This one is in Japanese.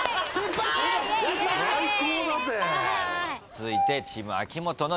続いてチーム秋元の挑戦。